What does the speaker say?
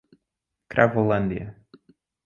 Cravolândia